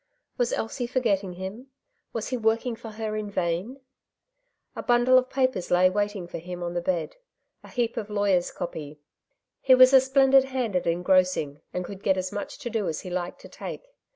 Was Elsie forgetting him ? Was he working for her in vain ? A bundle of papers lay waiting for him on the bed — a heap of lawyer's copy. He was a splendid hand at engrossing, and could get as much to do as he liked to take.